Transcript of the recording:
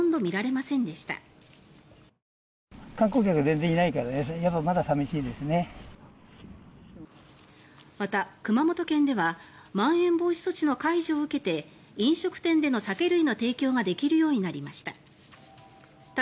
また、熊本県ではまん延防止措置の解除を受けて飲食店での酒類の提供ができるようになりました。